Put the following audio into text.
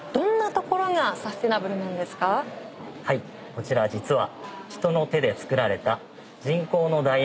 こちら実は。